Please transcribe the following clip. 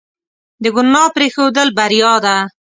د ګناه پرېښودل بریا ده.